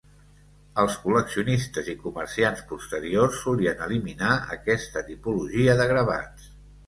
Els col·leccionistes i comerciants posteriors solien eliminar aquesta tipologia de gravats.